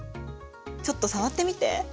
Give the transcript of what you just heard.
ちょっと触ってみて。